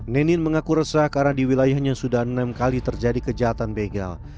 nenin mengaku resah karena di wilayahnya sudah enam kali terjadi kejahatan begal